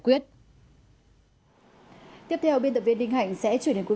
tiếp theo biên tập viên đinh hạnh sẽ truy nã tội phạm